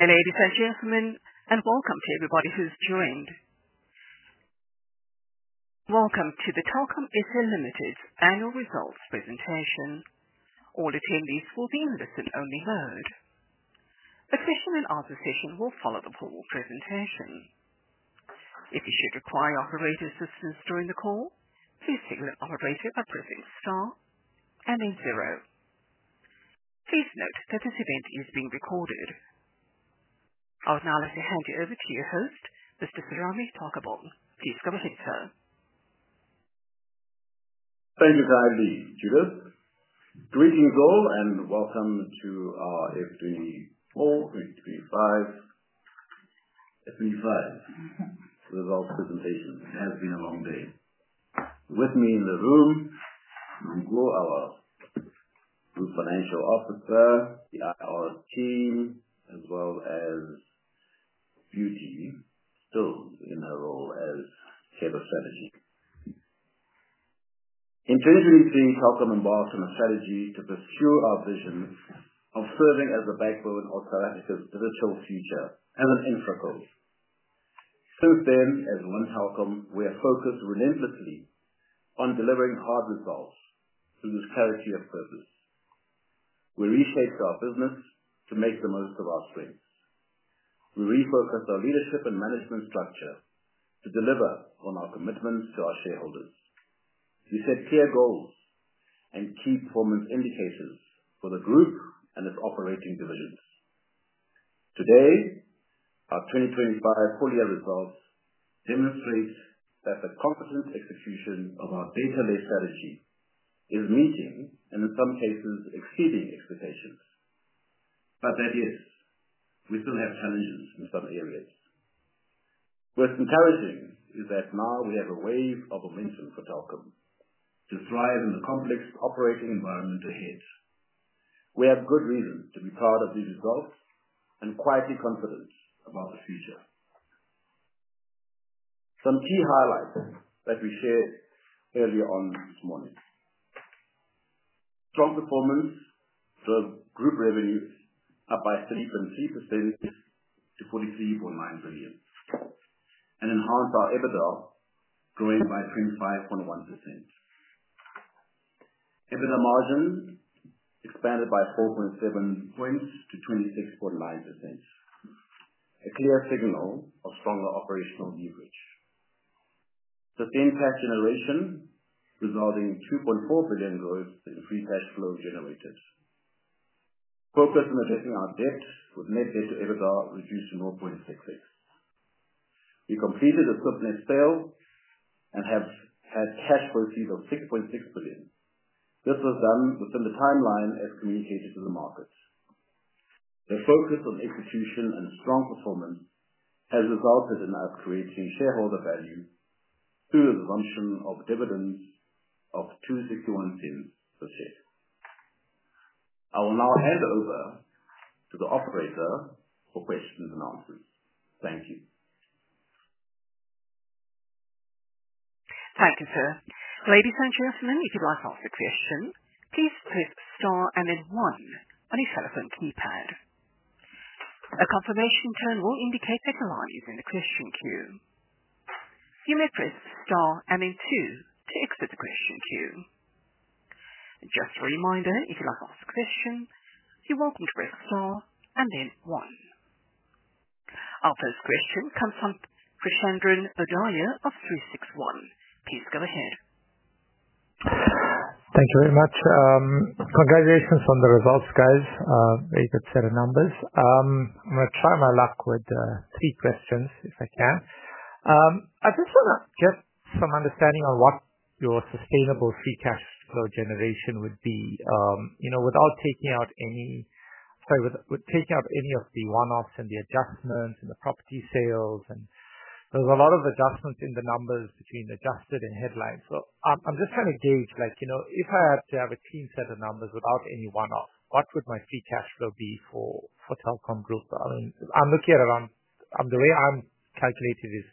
Ladies and gentlemen, and welcome to everybody who's joined. Welcome to the Telkom SA SOC Ltd annual results presentation. All attendees will be in listen-only mode. A question and answer session will follow the whole presentation. If you should require operator assistance during the call, please signal an operator by pressing star and then zero. Please note that this event is being recorded. I would now like to hand you over to your host, Mr. Serame Taukobong. Please come and meet him. Thank you for having me, Judith. Greetings all, and welcome to our F24, F25, F25 results presentation. It has been a long day. With me in the room, Nonkulu, our Group Financial Officer, our team, as well as Beauty, still in her role as Chair of Strategy. In 2023, Telkom embarked on a strategy to pursue our vision of serving as the backbone of South Africa's digital future as an infra core. Since then, as One Telkom, we have focused relentlessly on delivering hard results through the clarity of purpose. We reshaped our business to make the most of our strengths. We refocused our leadership and management structure to deliver on our commitments to our shareholders. We set clear goals and key performance indicators for the group and its operating divisions. Today, our 2025 full-year results demonstrate that the competent execution of our data-led strategy is meeting, and in some cases, exceeding expectations. That is, we still have challenges in some areas. What's encouraging is that now we have a wave of momentum for Telkom to thrive in the complex operating environment ahead. We have good reason to be proud of these results and quietly confident about the future. Some key highlights that we shared earlier on this morning: strong performance, group revenues up by 3.3% to 43.9 billion, and enhanced our EBITDA growing by 25.1%. EBITDA margin expanded by 4.7 percentage points to 26.9%, a clear signal of stronger operational leverage. Sustained cash generation resulting in 2.4 billion growth in free cash flow generated. Focus on addressing our debt with net debt to EBITDA reduced to 0.66. We completed a Swiftnet sale and have had cash proceeds of 6.6 billion. This was done within the timeline as communicated to the market. The focus on execution and strong performance has resulted in us creating shareholder value through the assumption of dividends of 2.61 per share. I will now hand over to the operator for questions and answers. Thank you. Thank you, sir. Ladies and gentlemen, if you'd like to ask a question, please press star and then one on your telephone keypad. A confirmation tone will indicate that you are using the question queue. You may press star and then two to exit the question queue. Just a reminder, if you'd like to ask a question, you're welcome to press star and then one. Our first question comes from Krishandran Odaya of 361. Please go ahead. Thank you very much. Congratulations on the results, guys. Very good set of numbers. I'm going to try my luck with three questions if I can. I just want to get some understanding on what your sustainable free cash flow generation would be without taking out any—sorry, without taking out any of the one-offs and the adjustments and the property sales. There's a lot of adjustments in the numbers between adjusted and headlines. So I'm just trying to gauge if I had to have a clean set of numbers without any one-off, what would my free cash flow be for Telkom Group? I mean, I'm looking at around—the way I'm calculating is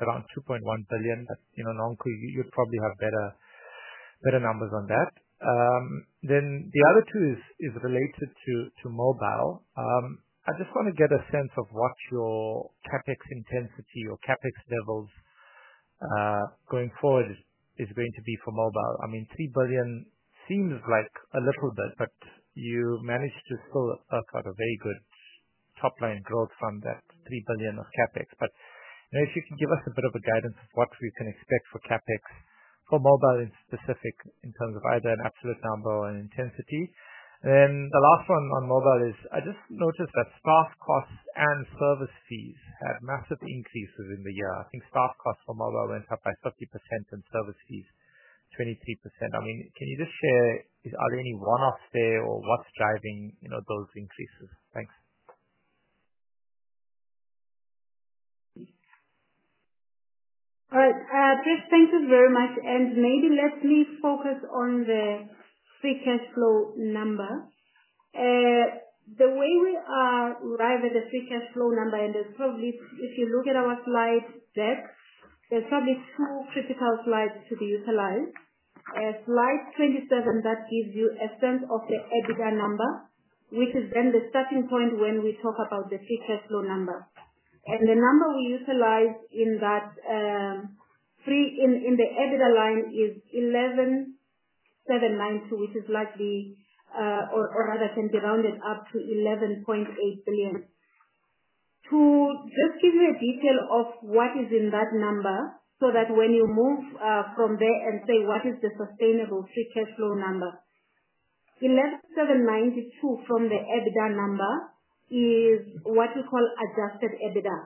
around 2.1 billion, but Nonkulu, you'd probably have better numbers on that. Then the other two is related to mobile. I just want to get a sense of what your CapEx intensity or CapEx levels going forward is going to be for mobile. I mean, 3 billion seems like a little bit, but you managed to still have a very good top-line growth from that 3 billion of CapEx. If you can give us a bit of guidance of what we can expect for CapEx for mobile in specific in terms of either an absolute number or an intensity. The last one on mobile is I just noticed that staff costs and service fees had massive increases in the year. I think staff costs for mobile went up by 30% and service fees 23%. I mean, can you just share are there any one-offs there or what's driving those increases? Thanks. All right. First, thank you very much. Maybe let me focus on the free cash flow number. The way we arrive at the free cash flow number, and there's probably—if you look at our slide deck, there are probably two critical slides to be utilized. Slide 27 gives you a sense of the EBITDA number, which is then the starting point when we talk about the free cash flow number. The number we utilize in the EBITDA line is 11.792 billion, which is likely, or rather, can be rounded up to 11.8 billion. To just give you a detail of what is in that number so that when you move from there and say, "What is the sustainable free cash flow number?" 11.792 billion from the EBITDA number is what we call adjusted EBITDA.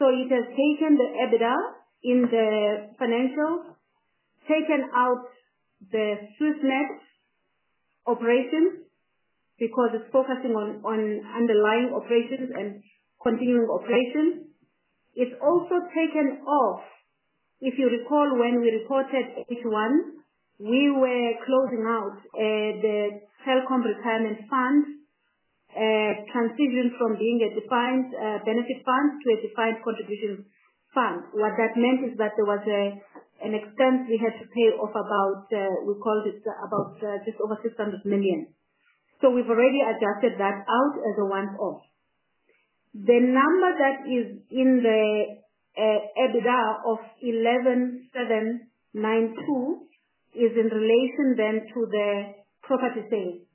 It has taken the EBITDA in the financials, taken out the Swiftnet operations because it is focusing on underlying operations and continuing operations. It has also taken off—if you recall when we reported H1, we were closing out the Telkom Retirement Fund transition from being a defined benefit fund to a defined contribution fund. What that meant is that there was an expense we had to pay of about—we called it about just over 600 million. We have already adjusted that out as a one-off. The number that is in the EBITDA of 11.792 billion is in relation then to the property sales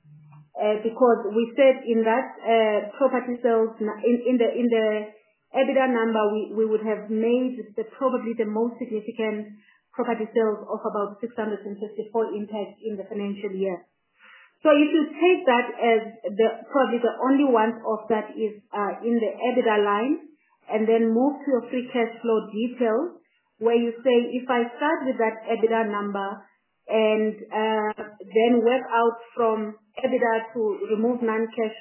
because we said in that property sales in the EBITDA number, we would have made probably the most significant property sales of about 654 million in tax in the financial year. If you take that as probably the only ones of that is in the EBITDA line and then move to your free cash flow details where you say, "If I start with that EBITDA number and then work out from EBITDA to remove non-cash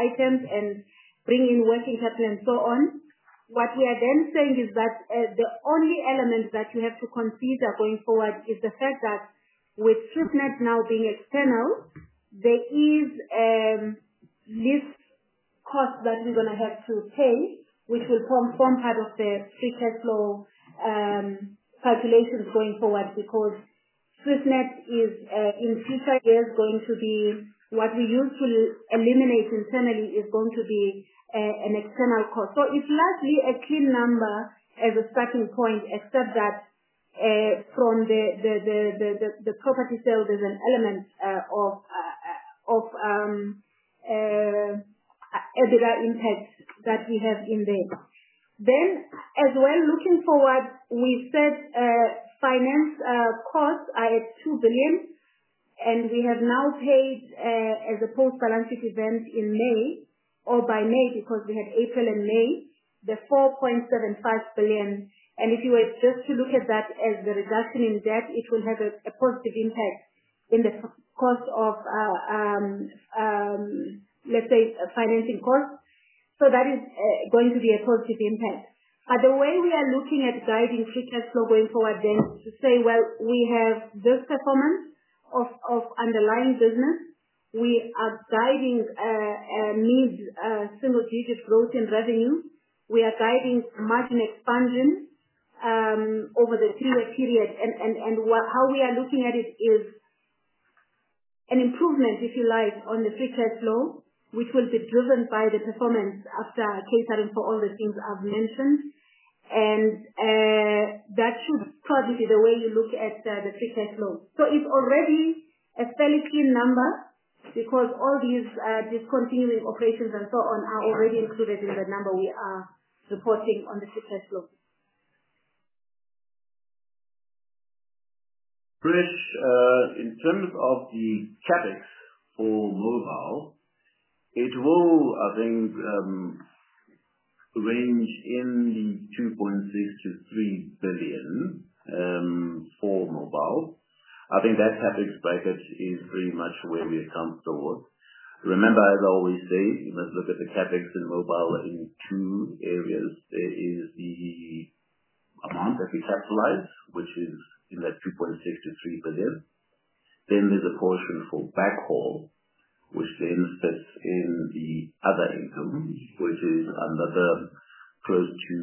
items and bring in working capital and so on," what we are then saying is that the only element that you have to concede going forward is the fact that with Swiftnet now being external, there is this cost that we're going to have to pay, which will form part of the free cash flow calculations going forward because Swiftnet is in future years going to be what we use to eliminate internally is going to be an external cost. It is largely a clean number as a starting point except that from the property sale, there is an element of EBITDA impact that we have in there. As well, looking forward, we said finance costs are at 2 billion, and we have now paid as a post-balance sheet event in May or by May because we had April and May, the 4.75 billion. If you were just to look at that as the reduction in debt, it will have a positive impact in the cost of, let's say, financing costs. That is going to be a positive impact. The way we are looking at guiding free cash flow going forward is to say, "We have this performance of underlying business. We are guiding mid-single-digit growth in revenue. We are guiding margin expansion over the three-year period. How we are looking at it is an improvement, if you like, on the free cash flow, which will be driven by the performance after catering for all the things I've mentioned. That should probably be the way you look at the free cash flow. It is already a fairly clean number because all these discontinuing operations and so on are already included in the number we are reporting on the free cash flow. Krish, in terms of the CapEx for mobile, it will, I think, range in the 2.6 billion-3 billion for mobile. I think that CapEx bracket is pretty much where we have come towards. Remember, as I always say, you must look at the CapEx in mobile in two areas. There is the amount that we capitalize, which is in that 2.6 billion-3 billion. Then there is a portion for backhaul, which then sits in the other income, which is another close to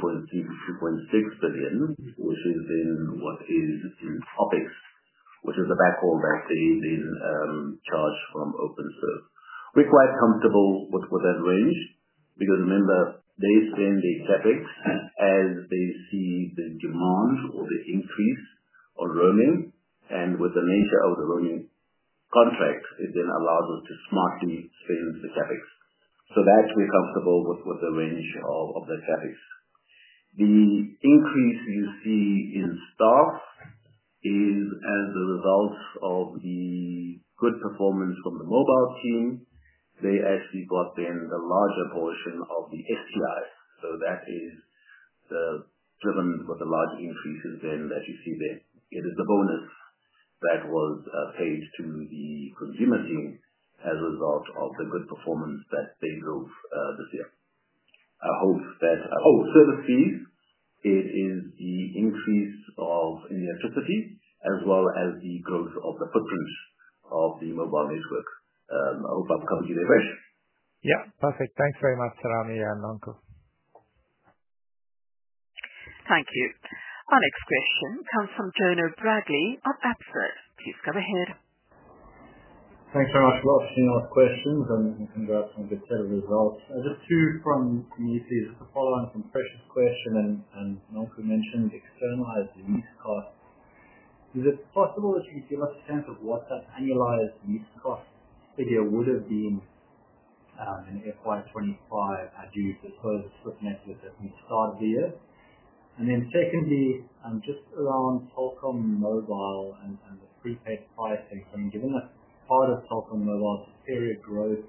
2.3 billion-2.6 billion, which is in what is in OpEx, which is the backhaul that is in charge from OpenServe. We are quite comfortable with that range because remember, they spend the CapEx as they see the demand or the increase or roaming. With the nature of the roaming contract, it then allows us to smartly spend the CapEx. That we're comfortable with the range of the CapEx. The increase you see in staff is as a result of the good performance from the mobile team. They actually brought in the larger portion of the STIs. That is driven with the large increases then that you see there. It is the bonus that was paid to the consumer team as a result of the good performance that they drove this year. I hope that. Oh, service fees, it is the increase of electricity as well as the growth of the footprint of the mobile network. I hope I've covered you there, Krish. Yeah. Perfect. Thanks very much, Serame and Nonku. Thank you. Our next question comes from Jono Bradley of Absa. Please go ahead. Thanks very much for asking our questions. And congrats on the set of results. Just two from me, please. Just a follow-on from Precious' question. And Nonku mentioned externalized lease costs. Is it possible that you can give us a sense of what that annualized lease cost figure would have been in FY 2025? Had you disclosed the Swiftnet that you started the year? And then secondly, just around Telkom Mobile and the prepaid pricing. So I mean, given that part of Telkom Mobile's superior growth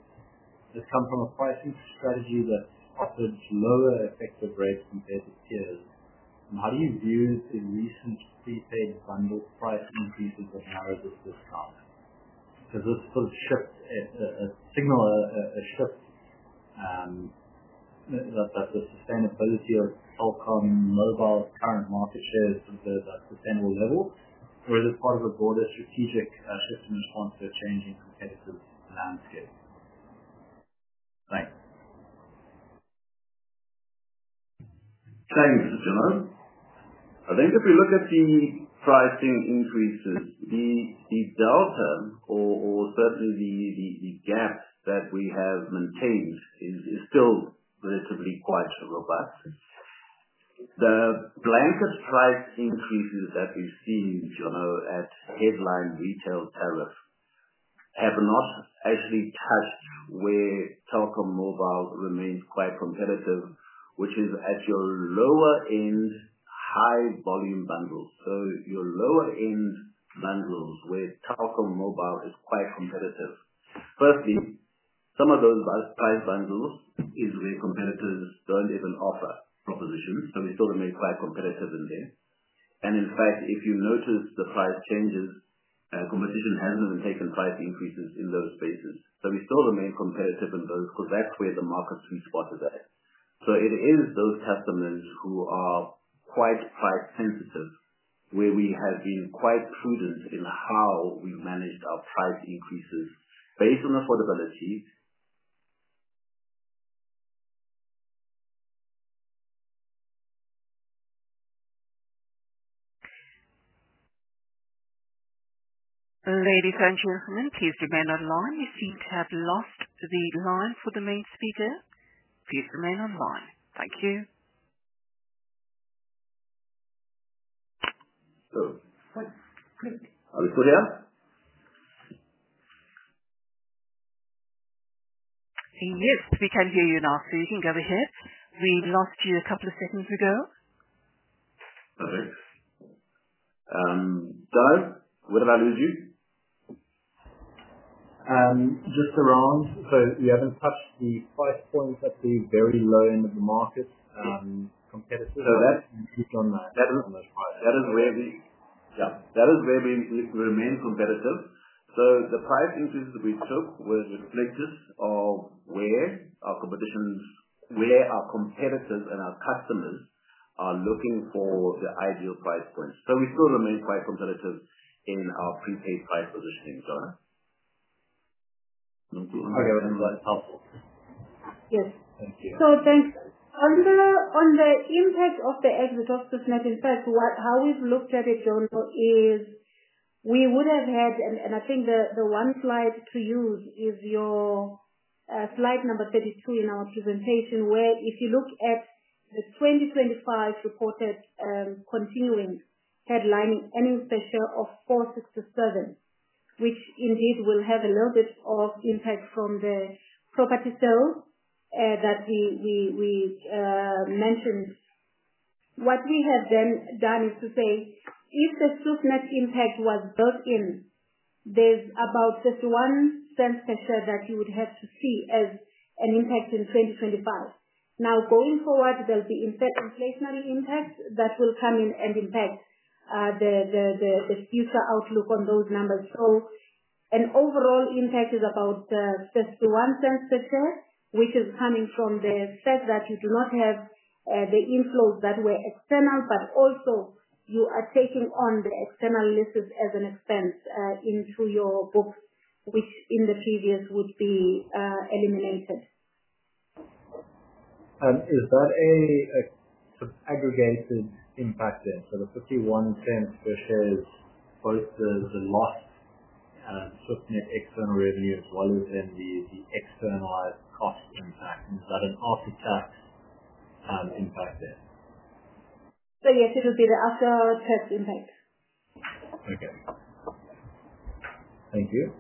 has come from a pricing strategy that offered lower effective rates compared to peers. And how do you view the recent prepaid bundle price increases that now resist discounts? Has this sort of shifted a signal, a shift that the sustainability of Telkom Mobile's current market share is sort of at a sustainable level? Is it part of a broader strategic shift in response to a changing competitive landscape? Thanks. Thanks, Jono. I think if we look at the pricing increases, the delta or certainly the gap that we have maintained is still relatively quite robust. The blanket price increases that we've seen, Jono, at headline retail tariff have not actually touched where Telkom Mobile remains quite competitive, which is at your lower-end high-volume bundles. Your lower-end bundles where Telkom Mobile is quite competitive. Firstly, some of those price bundles are where competitors do not even offer propositions. We still remain quite competitive in there. In fact, if you notice the price changes, competition has not even taken price increases in those spaces. We still remain competitive in those because that is where the market sweet spot is at. It is those customers who are quite price-sensitive where we have been quite prudent in how we've managed our price increases based on affordability. Ladies and gentlemen, please remain online. You seem to have lost the line for the main speaker. Please remain online. Thank you. Hello. Are we still here? Yes, we can hear you now. You can go ahead. We lost you a couple of seconds ago. Perfect. Where did I lose you? Just around. We haven't touched the price point at the very low end of the market. Competitive. That's on those prices. That is where we remain competitive. The price increases that we took were reflective of where our competitors and our customers are looking for the ideal price point. We still remain quite competitive in our prepaid price positioning, Jono. Nonku, I think that's helpful. Yes. Thank you. Thanks. On the impact of the exit of Swiftnet, in fact, how we've looked at it, Jono, is we would have had, and I think the one slide to use is your slide number 32 in our presentation, where if you look at the 2025 reported continuing headline and in special of 467, which indeed will have a little bit of impact from the property sales that we mentioned. What we have then done is to say, if the Swiftnet impact was built in, there's about 51 cents per share that you would have to see as an impact in 2025. Now, going forward, there will be inflationary impacts that will come in and impact the future outlook on those numbers. An overall impact is about 0.51 per share, which is coming from the fact that you do not have the inflows that were external, but also you are taking on the external leases as an expense into your books, which in the previous would be eliminated. Is that a sort of aggregated impact there? The $0.51 per share is both the lost Swiftnet external revenue as well as the externalized cost impact. Is that an after-tax impact there? Yes, it would be the after-tax impact. Okay. Thank you.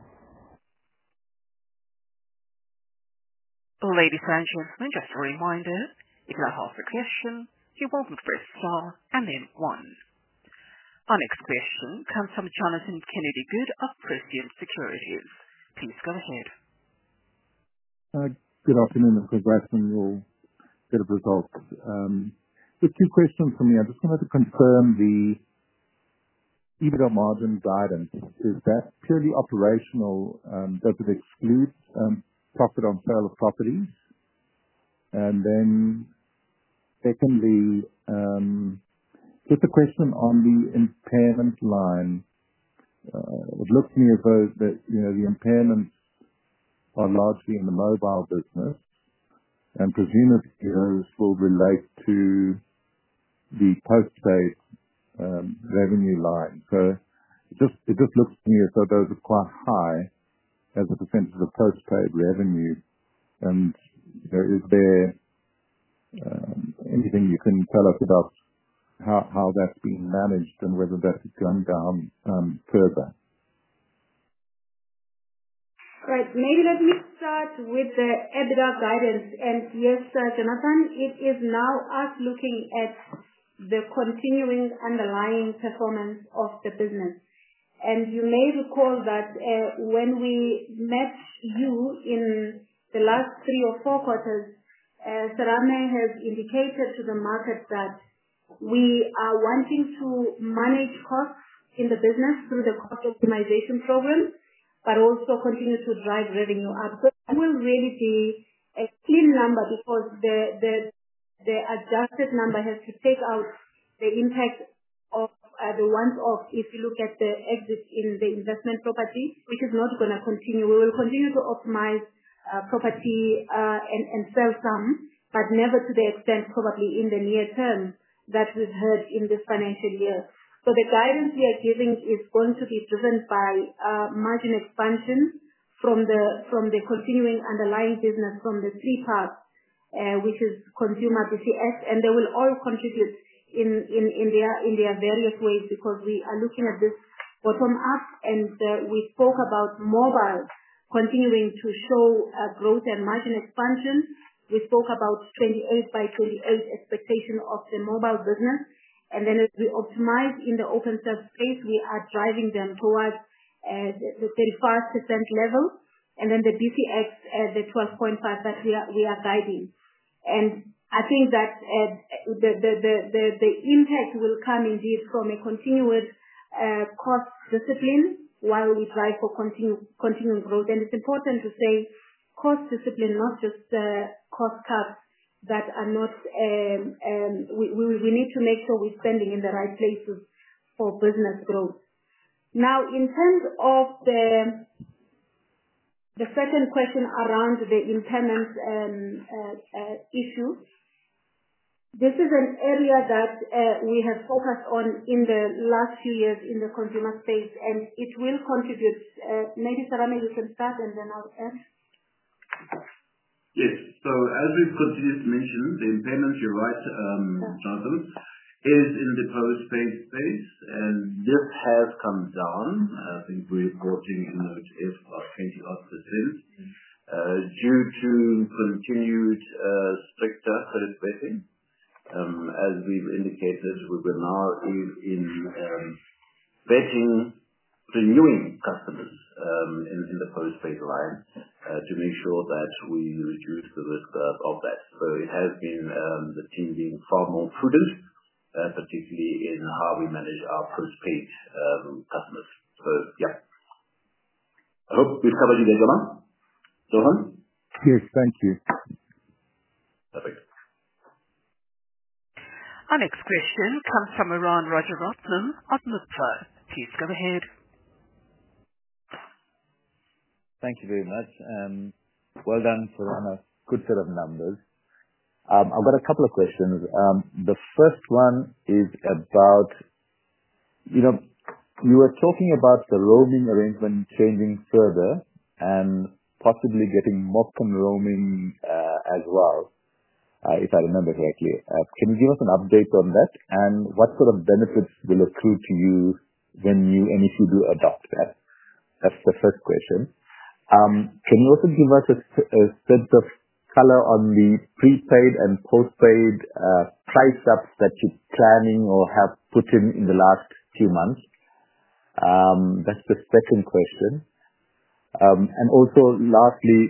Ladies and gentlemen, just a reminder, if you have a question, you're welcome to press star and then one. Our next question comes from Jonathan Kennedy-Good of Prescient Securities. Please go ahead. Good afternoon. Congrats on your bit of results. Just two questions for me. I just wanted to confirm the EBITDA margin guidance. Is that purely operational? Does it exclude profit on sale of properties? Secondly, just a question on the impairment line. It looks to me as though the impairments are largely in the mobile business, and presumably those will relate to the post-paid revenue line. It just looks to me as though those are quite high as a percentage of post-paid revenue. Is there anything you can tell us about how that's being managed and whether that's going down further? Right. Maybe let me start with the EBITDA guidance. Yes, Jonathan, it is now us looking at the continuing underlying performance of the business. You may recall that when we met you in the last three or four quarters, Serame has indicated to the market that we are wanting to manage costs in the business through the cost optimization program, but also continue to drive revenue up. That will really be a clean number because the adjusted number has to take out the impact of the once-off if you look at the exit in the investment property, which is not going to continue. We will continue to optimize property and sell some, but never to the extent probably in the near term that we have heard in this financial year. The guidance we are giving is going to be driven by margin expansion from the continuing underlying business from the three parts, which is consumer PCS. They will all contribute in their various ways because we are looking at this bottom-up. We spoke about mobile continuing to show growth and margin expansion. We spoke about 28 by 28 expectation of the mobile business. As we optimize in the Openserve space, we are driving them towards the 35% level. The PCX, the 12.5 that we are guiding. I think that the impact will come indeed from a continuous cost discipline while we drive for continuing growth. It's important to say cost discipline, not just cost cuts. We need to make sure we're spending in the right places for business growth. Now, in terms of the second question around the impairment issue, this is an area that we have focused on in the last few years in the consumer space. It will contribute. Maybe Serame, you can start and then I'll end. Yes. As we've continued to mention, the impairment, you're right, Jonathan, is in the post-paid space. This has come down. I think we're reporting in those areas about 20-odd % due to continued stricter credit vetting. As we've indicated, we're now vetting renewing customers in the post-paid line to make sure that we reduce the risk of that. It has been the team being far more prudent, particularly in how we manage our post-paid customers. Yeah. I hope we've covered you there, Jono. Johan? Yes, thank you. Perfect. Our next question comes from Baron Roderick Ruthman of Lutfa. Please go ahead. Thank you very much. Well done, Serame. Good set of numbers. I've got a couple of questions. The first one is about you were talking about the roaming arrangement changing further and possibly getting more con roaming as well, if I remember correctly. Can you give us an update on that? What sort of benefits will accrue to you when you and if you do adopt that? That's the first question. Can you also give us a sense of color on the prepaid and post-paid price ups that you're planning or have put in in the last few months? That's the second question. Lastly,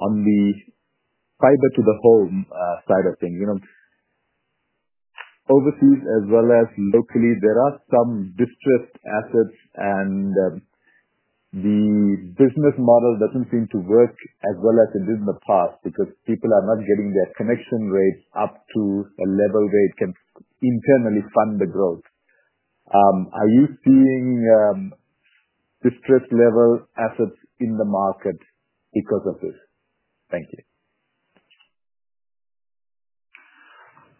on the fiber-to-the-home side of things, overseas as well as locally, there are some distressed assets, and the business model does not seem to work as well as it did in the past because people are not getting their connection rates up to a level where it can internally fund the growth. Are you seeing distressed-level assets in the market because of this? Thank you.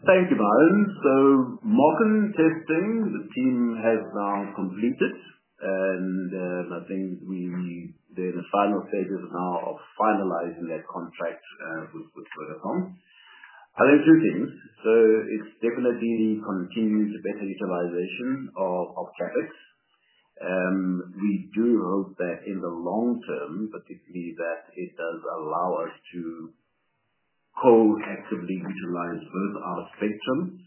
Thank you, Baron. Mocking testing, the team has now completed. I think they're in the final stages now of finalizing that contract with Vodacom. I think two things. It's definitely continued better utilization of CapEx. We do hope that in the long term, particularly that it does allow us to co-actively utilize both our spectrum.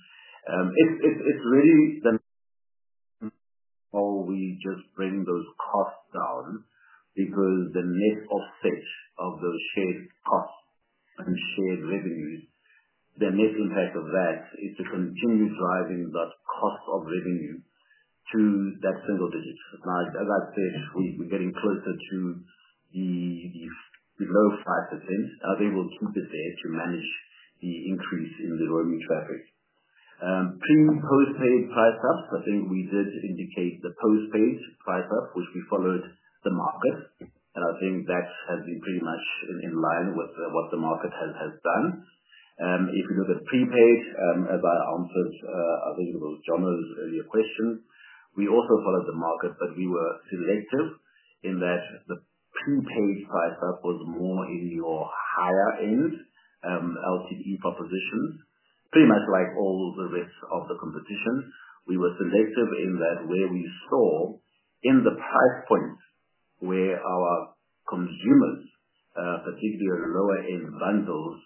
It's really the more we just bring those costs down because the net offset of those shared costs and shared revenues, the net impact of that is to continue driving that cost of revenue to that single digit. Now, as I said, we're getting closer to the low 5%. Are they able to keep it there to manage the increase in the roaming traffic? Pre and post-paid price ups, I think we did indicate the post-paid price up, which we followed the market. I think that has been pretty much in line with what the market has done. If you look at prepaid, as I answered, I think it was Jono's earlier question, we also followed the market, but we were selective in that the prepaid price up was more in your higher-end LTE propositions, pretty much like all the rest of the competition. We were selective in that where we saw in the price point where our consumers, particularly our lower-end bundles,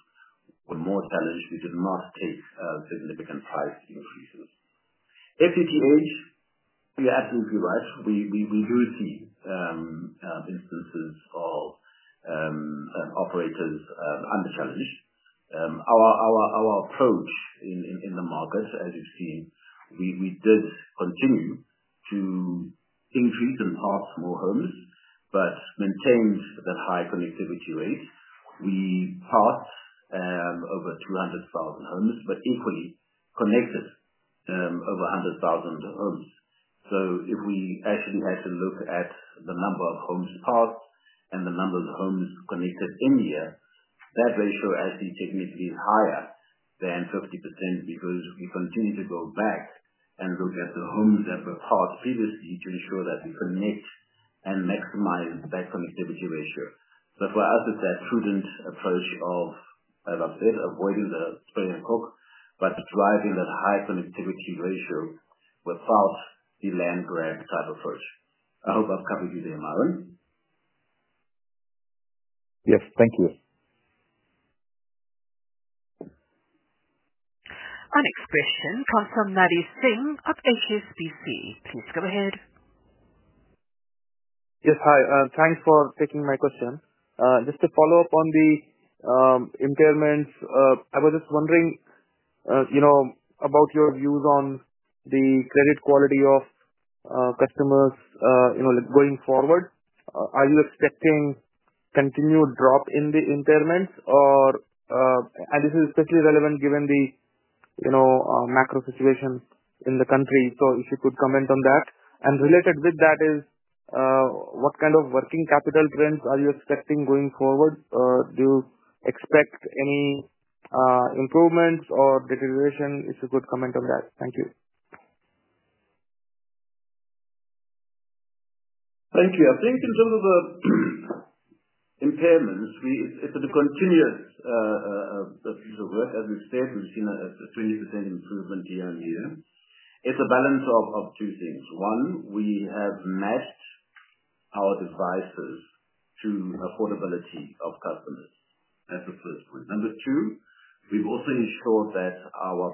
were more challenged, we did not take significant price increases. FTTH, you're absolutely right. We do see instances of operators under challenge. Our approach in the market, as you've seen, we did continue to increase and pass more homes, but maintained that high connectivity rate. We passed over 200,000 homes, but equally connected over 100,000 homes. If we actually had to look at the number of homes passed and the number of homes connected in the year, that ratio actually technically is higher than 50% because we continue to go back and look at the homes that were passed previously to ensure that we connect and maximize that connectivity ratio. For us, it's that prudent approach of, as I said, avoiding the spray and cook, but driving that high connectivity ratio without the land-grant type approach. I hope I've covered you there, Baron. Yes, thank you. Our next question comes from Nayan Singh of HSBC. Please go ahead. Yes, hi. Thanks for taking my question. Just to follow up on the impairments, I was just wondering about your views on the credit quality of customers going forward. Are you expecting continued drop in the impairments? This is especially relevant given the macro situation in the country. If you could comment on that. Related with that is, what kind of working capital trends are you expecting going forward? Do you expect any improvements or deterioration? If you could comment on that. Thank you. Thank you. I think in terms of the impairments, it's a continuous piece of work. As we've said, we've seen a 20% improvement year on year. It's a balance of two things. One, we have matched our devices to affordability of customers. That's the first point. Number two, we've also ensured that our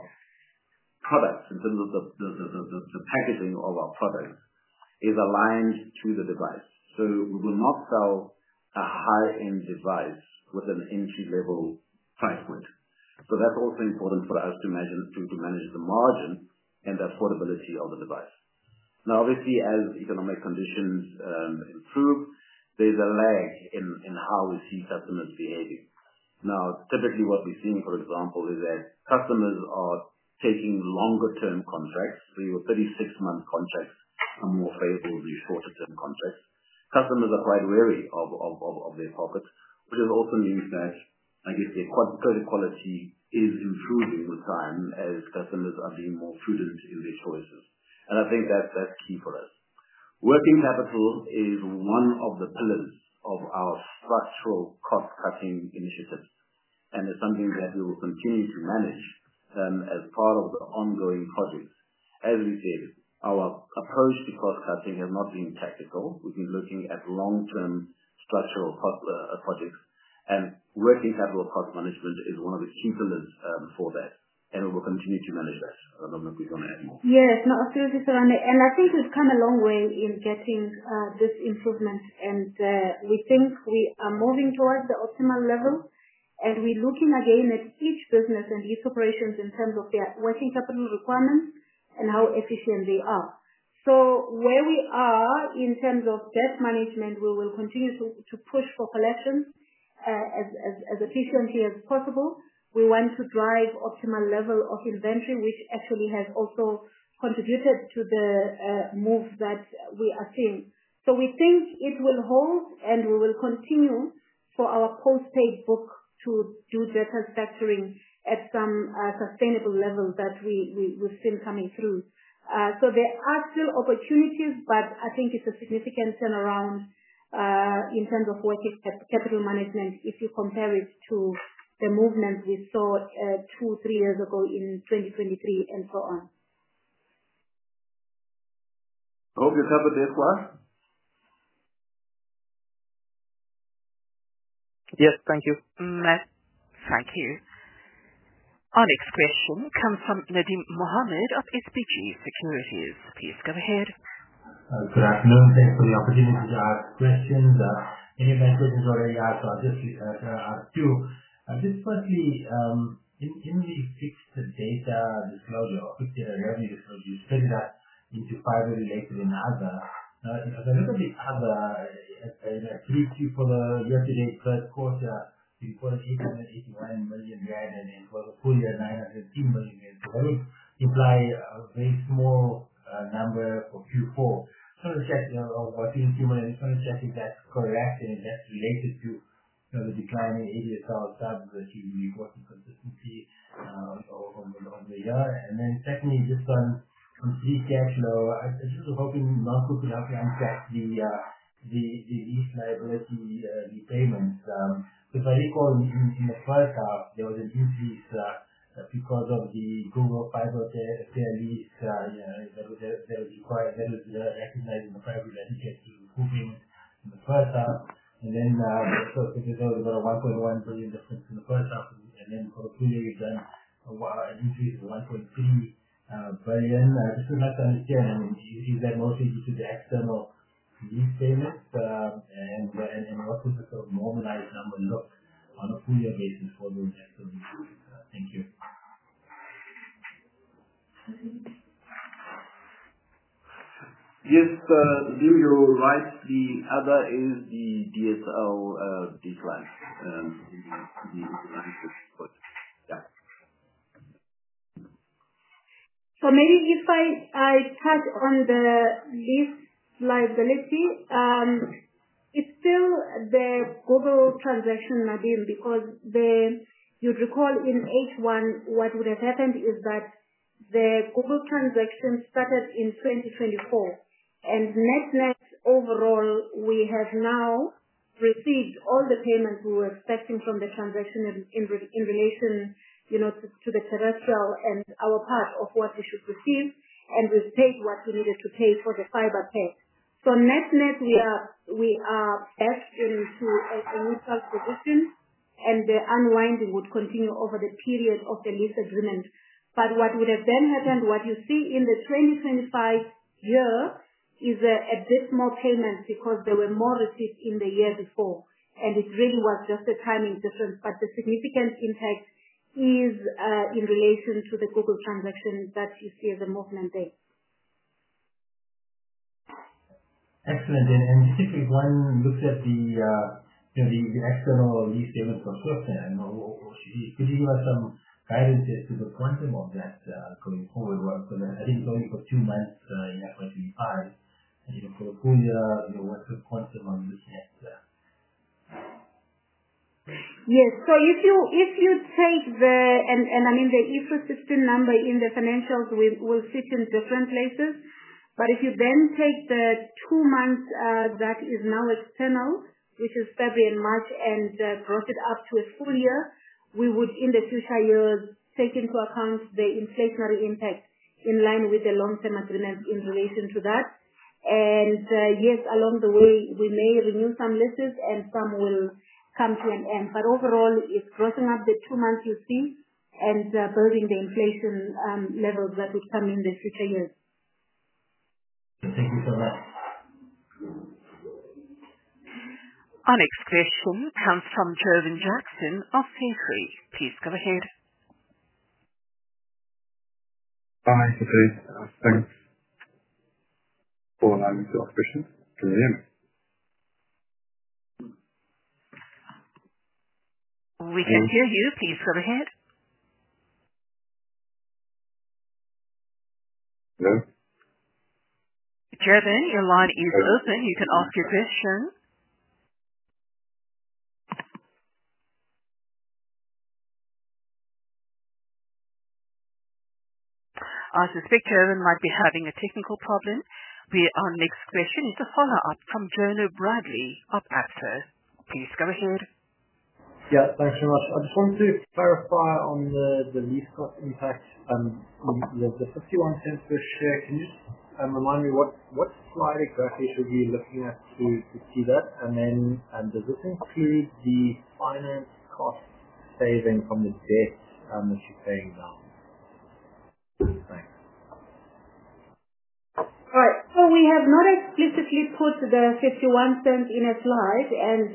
products, in terms of the packaging of our products, are aligned to the device. We will not sell a high-end device with an entry-level price point. That's also important for us to manage the margin and the affordability of the device. Now, obviously, as economic conditions improve, there's a lag in how we see customers behaving. Typically what we're seeing, for example, is that customers are taking longer-term contracts. We were 36-month contracts are more favorable than shorter-term contracts. Customers are quite wary of their pockets, which is also news that I guess their credit quality is improving with time as customers are being more prudent in their choices. I think that's key for us. Working capital is one of the pillars of our structural cost-cutting initiatives. It is something that we will continue to manage as part of the ongoing projects. As we said, our approach to cost-cutting has not been tactical. We've been looking at long-term structural projects. Working capital cost management is one of the key pillars for that. We will continue to manage that. I don't know if we want to add more. Yes, absolutely, Serame. I think we've come a long way in getting this improvement. We think we are moving towards the optimal level. We're looking again at each business and each operation in terms of their working capital requirements and how efficient they are. Where we are in terms of debt management, we will continue to push for collections as efficiently as possible. We want to drive optimal level of inventory, which actually has also contributed to the move that we are seeing. We think it will hold, and we will continue for our post-paid book to do debt and factoring at some sustainable level that we've seen coming through. There are still opportunities, but I think it's a significant turnaround in terms of working capital management if you compare it to the movement we saw two, three years ago in 2023 and so on. I hope you covered this well. Yes, thank you. Thank you. Our next question comes from Nadim Mohamed of SPG Securities. Please go ahead. Good afternoon. Thanks for the opportunity to ask questions. Any of my questions are already asked. I'll just ask two. Firstly, in the fixed data disclosure or fixed data revenue disclosure, you split it up into fiber-related and other. Now, if I look at the other, Q3 for the year-to-date first quarter, it was ZAR 881 million, and it was a full year ZAR 915 million. That would imply a very small number for Q4. I just want to check, while still in Q1, I just want to check if that's correct and if that's related to the decline in 88,000 subs that you've been reporting consistently over the year. Secondly, just on free cash flow, I was hoping Nonku could help you unpack the lease liability repayments. If I recall, in the first half, there was an increase because of the Google fiber fair lease that was recognized in the fiber that you get through approving in the first half. There was about a 1.1 billion difference in the first half. For the full year, you've done an increase of ZAR 1.3 billion. I just would like to understand, I mean, is that mostly due to the external lease payments? What would the sort of normalized number look on a full-year basis for those external leases? Thank you. Yes, Nadim, you're right. The other is the DSL decline. Maybe if I touch on the lease liability, it's still the Google transaction, Nadim, because you'd recall in H1, what would have happened is that the Google transaction started in 2024. Net-net overall, we have now received all the payments we were expecting from the transaction in relation to the terrestrial and our part of what we should receive. We've paid what we needed to pay for the fiber pay. Net-net, we are back into an initial position, and the unwinding would continue over the period of the lease agreement. What you see in the 2025 year is a bit more payments because there were more receipts in the year before. It really was just a timing difference, but the significant impact is in relation to the Google transaction that you see as a movement there. Excellent. Particularly when looking at the external lease payments for Swiftnet, could you give us some guidance as to the quantum of that going forward? I think it's only for two months in FY 2025. For the full year, what's the quantum I'm looking at? Yes. If you take the, and I mean, the IFRS 15 number in the financials will sit in different places. If you then take the two months that is now external, which is February and March, and brought it up to a full year, we would, in the future years, take into account the inflationary impact in line with the long-term agreement in relation to that. Yes, along the way, we may renew some leases, and some will come to an end. Overall, it is broadening up the two months you see and building the inflation levels that would come in the future years. Thank you so much. Our next question comes from Jervin Jackson of Siertree. Please go ahead. Hi, Sipho. Thanks for allowing me to ask questions. Can you hear me? We can hear you. Please go ahead. Hello? Jervin, your line is open. You can ask your question. I suspect Jervin might be having a technical problem. Our next question is a follow-up from Jono Bradley of Absa. Please go ahead. Yeah, thanks very much. I just wanted to clarify on the lease cost impact. The 0.51 per share, can you just remind me what slide exactly should we be looking at to see that? Does this include the finance cost saving from the debt that you're paying now? Thanks. All right. We have not explicitly put the 51 cents in a slide, and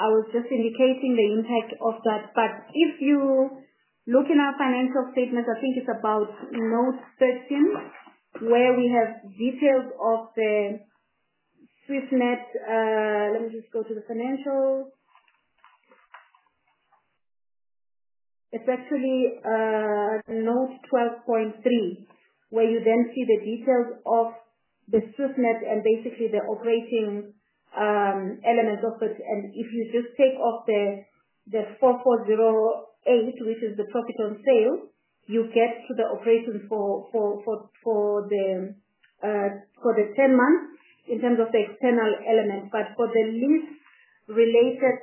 I was just indicating the impact of that. If you look in our financial statements, I think it is about note 13, where we have details of the Swiftnet. Let me just go to the financials. It is actually note 12.3, where you then see the details of the Swiftnet and basically the operating elements of it. If you just take off the 4,408,000,000, which is the profit on sale, you get to the operations for the 10 months in terms of the external element. For the lease-related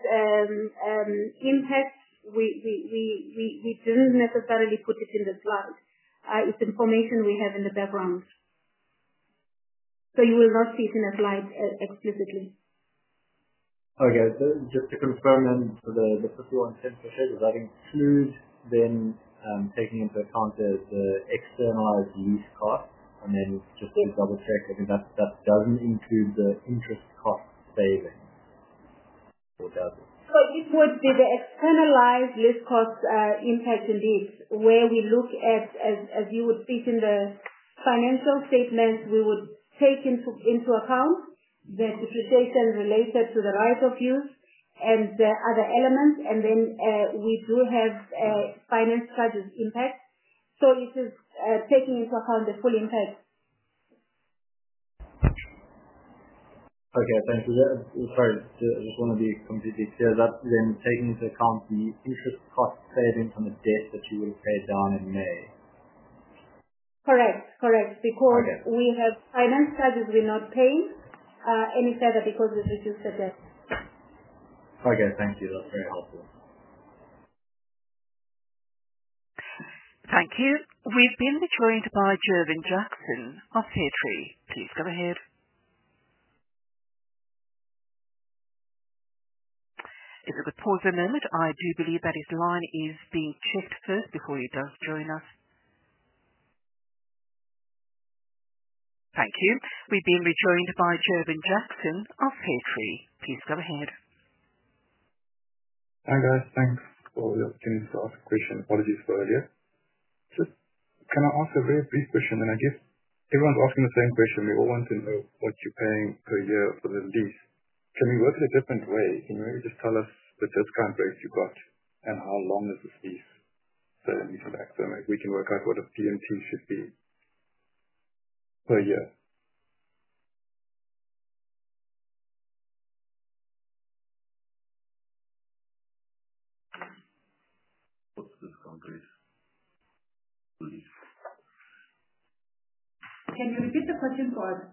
impacts, we did not necessarily put it in the slide. It is information we have in the background. You will not see it in a slide explicitly. Okay. Just to confirm then, for the $0.51 per share, does that include then taking into account the externalized lease cost? And then just to double-check, I think that does not include the interest cost savings. It would be the externalized lease cost impact indeed, where we look at, as you would see it in the financial statements, we would take into account the depreciation related to the right of use and other elements. We do have finance charges impact. It is taking into account the full impact. Okay. Thanks. Sorry. I just want to be completely clear. Is that then taking into account the interest cost savings on the debt that you would have paid down in May? Correct. Correct. Because we have finance charges we're not paying any further because we've reduced the debt. Okay. Thank you. That's very helpful. Thank you. We have been joined by Jervin Jackson of Siertree. Please go ahead. If we could pause a moment. I do believe that his line is being checked first before he does join us. Thank you. We have been joined by Jervin Jackson of Siertree. Please go ahead. Hi guys. Thanks for the opportunity to ask a question. Apologies for earlier. Just can I ask a very brief question? I guess everyone's asking the same question. We all want to know what you're paying per year for the lease. Can we work it a different way? Can you maybe just tell us the discount rate you got and how long is this lease? We can work out what a PMT should be per year. What's the discount rate? Can you repeat the question for us?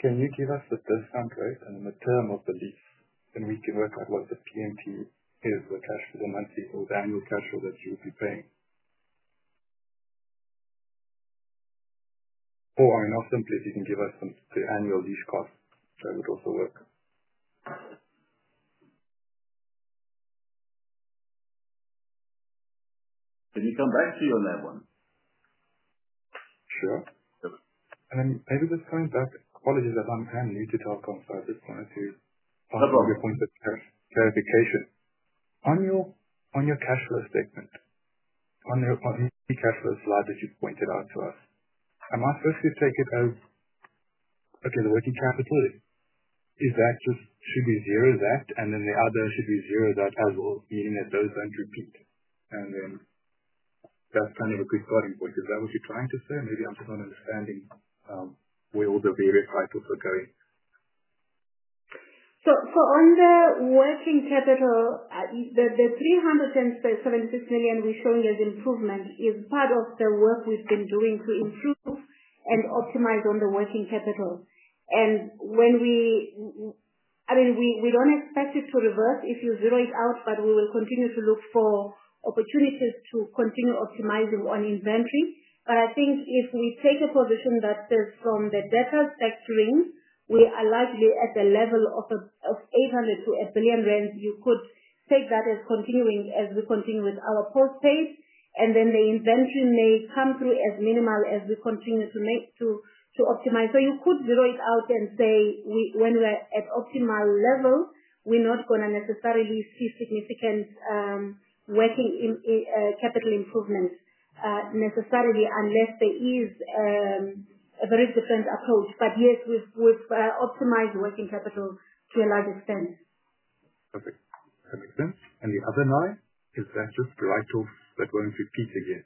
Can you give us the discount rate and the term of the lease? Then we can work out what the PMT is, the cash flow monthly, or the annual cash flow that you would be paying. I mean, also please, you can give us the annual lease cost. That would also work. Can you come back to your lab one? Sure. Maybe just coming back, apologies that I need to talk on silent. Just wanted to have your point of clarification. On your cash flow statement, on the cash flow slide that you pointed out to us, I must firstly take it as, okay, the working capital, is that just should be zeroed, and then the other should be zeroed as well, meaning that those do not repeat. That is kind of a good starting point. Is that what you are trying to say? Maybe I am just not understanding where all the various cycles are going. On the working capital, the 300 cents, the 76 million we are showing as improvement is part of the work we have been doing to improve and optimize on the working capital. When we, I mean, we do not expect it to reverse if you zero it out, but we will continue to look for opportunities to continue optimizing on inventory. I think if we take a position that says from the debtor factoring, we are likely at the level of 800 million-1 billion rand, you could take that as continuing as we continue with our post-paid. The inventory may come through as minimal as we continue to optimize. You could zero it out and say when we are at optimal level, we are not going to necessarily see significant working capital improvements necessarily unless there is a very different approach. Yes, we've optimized working capital to a large extent. Perfect. That makes sense. The other nine, is that just write-offs that will not repeat again?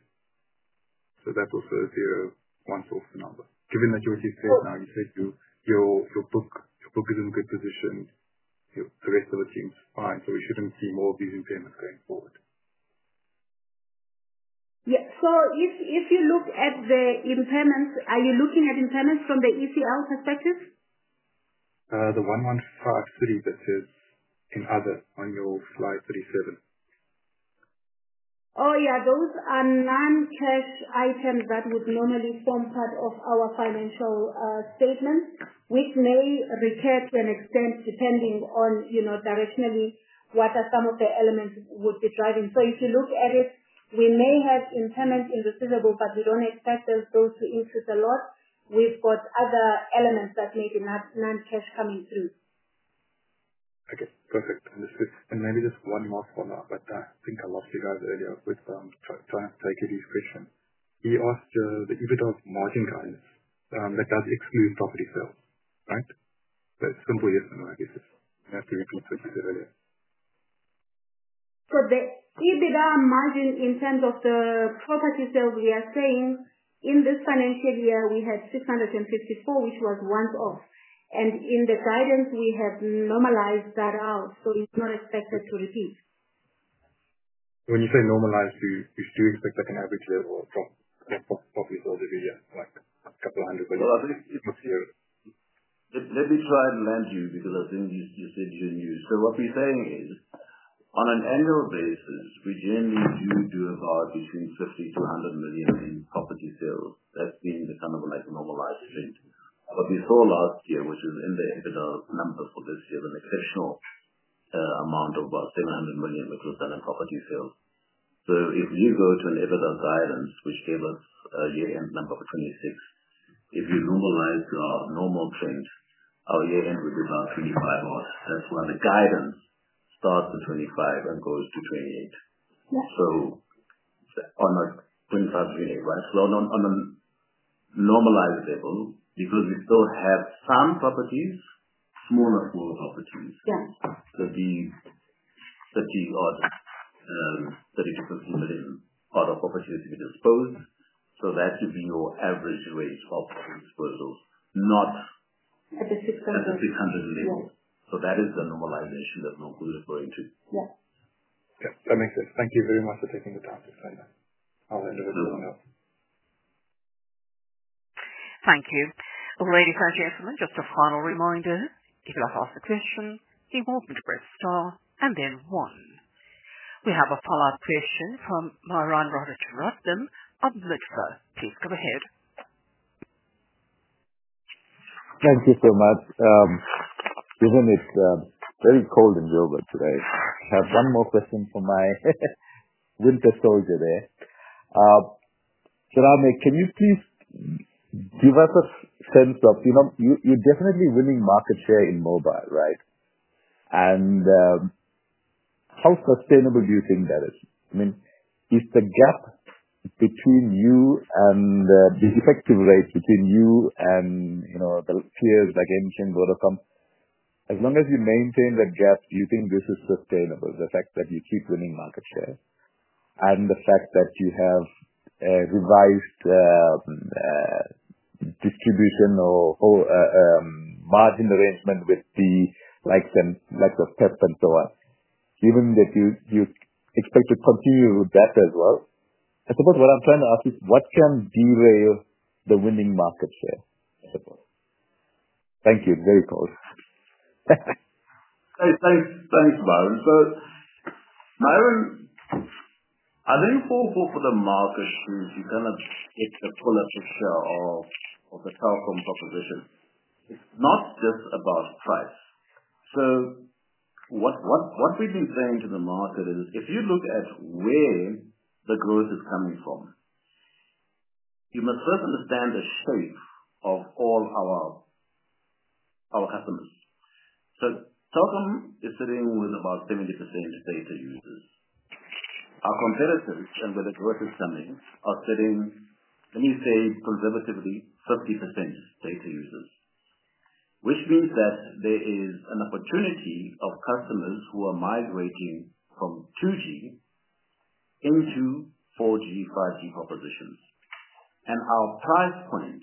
That is also a zero once off the number. Given that you are at least there now, you said your book is in a good position. The rest of it seems fine. We should not see more of these impairments going forward. Yeah. If you look at the impairments, are you looking at impairments from the ECL perspective? The 1,153 that says in other on your slide 37. Oh, yeah. Those are non-cash items that would normally form part of our financial statement, which may recur to an extent depending on directionally what are some of the elements would be driving. If you look at it, we may have impairments indecisible, but we do not expect those to increase a lot. We have got other elements that may be non-cash coming through. Okay. Perfect. Understood. Maybe just one more format that I think I lost you guys earlier with trying to take you to this question. He asked the EBITDA margin guidance, that does exclude property sales, right? Simple yes or no, I guess. You have to repeat what you said earlier. The EBITDA margin in terms of the property sales we are saying, in this financial year, we had 654 million, which was once off. In the guidance, we have normalized that out. It is not expected to repeat. When you say normalized, you do expect an average level of property sales every year, like a couple of hundred million? Let me try and land you because I think you said you knew. What we're saying is, on an annual basis, we generally do about between 50 million-100 million in property sales. That's been the kind of normalized trend. What we saw last year, which was in the EBITDA number for this year, was an exceptional amount of about 700 million, which was done in property sales. If you go to an EBITDA guidance, which gave us a year-end number for 2026, if you normalize to our normal trend, our year-end would be about 2500 million odd. That's when the guidance starts at 2500 million and goes to 2800 million. On a 2500 million-2800 million, right? On a normalized level, because we still have some properties, smaller and smaller properties, ZAR 30 million odd, ZAR 30 million-ZAR 50 million odd of property that we dispose. That should be your average rate of disposals, not. At the 600 level. At the 600 level. That is the normalization that Nonku is referring to. Yeah. Okay. That makes sense. Thank you very much for taking the time to explain that. I'll end it with a thumbs up. Thank you. Ladies and gentlemen, just a final reminder, if you have asked a question, the important breaths are and then one. We have a follow-up question from Baron Roderick Ruthman of Lutfa. Please go ahead. Thank you so much. Given it's very cold in Jervin today, I have one more question for my winter soldier there. Serame, can you please give us a sense of you're definitely winning market share in mobile, right? And how sustainable do you think that is? I mean, if the gap between you and the effective rate between you and the peers like MTN, Vodacom, as long as you maintain that gap, do you think this is sustainable, the fact that you keep winning market share and the fact that you have revised distribution or margin arrangement with the likes of Telkom and so on? Given that you expect to continue with that as well, I suppose what I'm trying to ask is, what can derail the winning market share? Thank you. Very cold. Thanks, Baron. Baron, I think for the market share, you kind of hit the bullet of the Telkom proposition. It's not just about price. What we've been saying to the market is, if you look at where the growth is coming from, you must first understand the shape of all our customers. Telkom is sitting with about 70% data users. Our competitors, and where the growth is coming, are sitting, let me say, conservatively, 50% data users, which means that there is an opportunity of customers who are migrating from 2G into 4G, 5G propositions. Our price point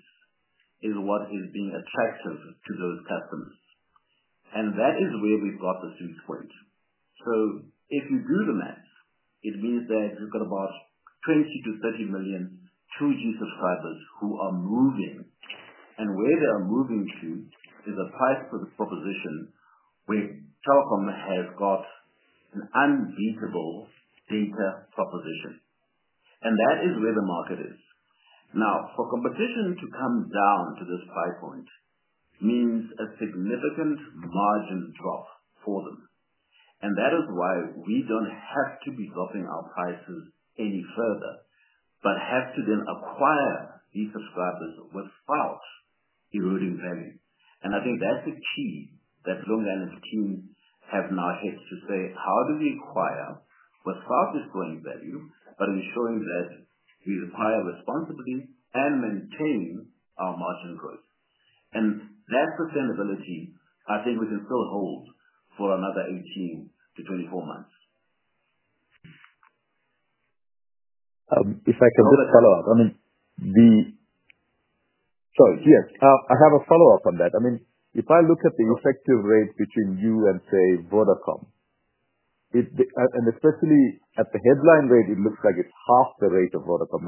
is what is being attractive to those customers. That is where we've got the sweet point. If you do the math, it means that you've got about 20-30 million 2G subscribers who are moving. Where they are moving to is a price proposition where Telkom has got an unbeatable data proposition. That is where the market is. For competition to come down to this price point means a significant margin drop for them. That is why we do not have to be dropping our prices any further, but have to then acquire these subscribers without eroding value. I think that is the key that Long Island's team have now hit to say, how do we acquire without destroying value, but ensuring that we acquire responsibly and maintain our margin growth? That sustainability, I think we can still hold for another 18-24 months. If I can just follow up. Of course. I mean, sorry. Yes. I have a follow-up on that. I mean, if I look at the effective rate between you and, say, Vodacom, and especially at the headline rate, it looks like it's half the rate of Vodacom.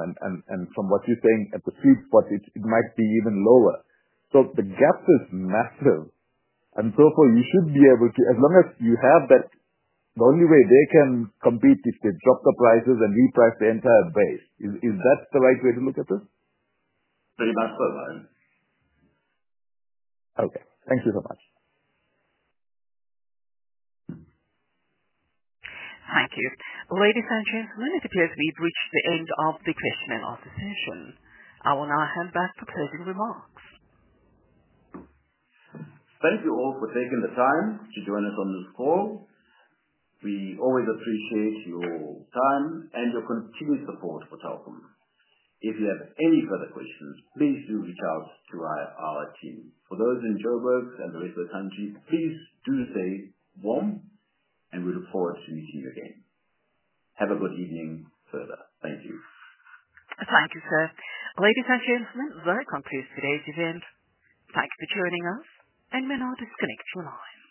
From what you're saying, at the sweet spot, it might be even lower. The gap is massive. You should be able to, as long as you have that, the only way they can compete is to drop the prices and reprice the entire base. Is that the right way to look at this? Pretty much so, Baron. Okay. Thank you so much. Thank you. Ladies and gentlemen, it appears we have reached the end of the question and answer session. I will now hand back to closing remarks. Thank you all for taking the time to join us on this call. We always appreciate your time and your continued support for Telkom. If you have any further questions, please do reach out to our team. For those in Johannesburg and the rest of the country, please do stay warm, and we look forward to meeting you again. Have a good evening further. Thank you. Thank you, sir. Ladies and gentlemen, Telkom closed today's event. Thank you for joining us, and we'll now disconnect your line.